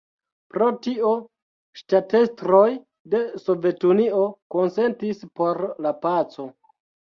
Pro tio ŝtatestroj de Sovetunio konsentis por la paco.